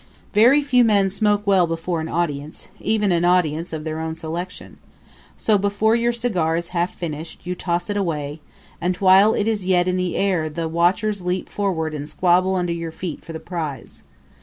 Very few men smoke well before an audience, even an audience of their own selection; so before your cigar is half finished you toss it away, and while it is yet in the air the watchers leap forward and squabble under your feet for the prize.